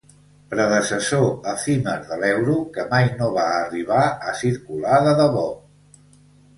Predecessor efímer de l'euro que mai no va arribar a circular de debò.